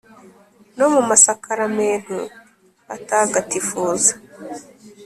no mumasakaramentu atagatifuza